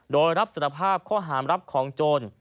โดยรับสารภาพข้อหามรับของโจร